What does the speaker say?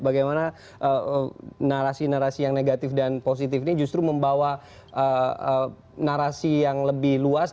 bagaimana narasi narasi yang negatif dan positif ini justru membawa narasi yang lebih luas